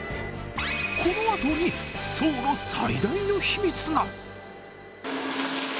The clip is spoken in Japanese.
このあとに、爽の最大の秘密が。